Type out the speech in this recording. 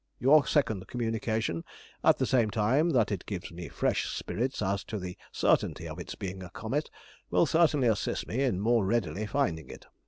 Your second communication, at the same time that it gives me fresh spirits as to the certainty of its being a comet, will certainly assist me in more readily finding it.